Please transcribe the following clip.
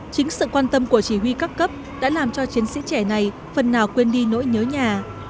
chính sự quan tâm của chỉ huy các cấp đã làm cho chiến sĩ trẻ này phần nào quên đi nỗi nhớ nhà